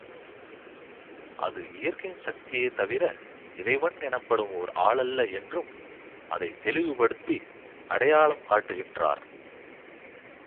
அது இயற்கையின் சக்தியே தவிர, இறைவன் எனப்படும் ஓர் ஆளல்ல என்றும் அதைத்தெளிவுபடுத்தி அடையாளம் காட்டுகின்றார்.